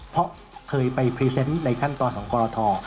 เพราะเคยไปพรีเซนต์ในขั้นตอนของกรท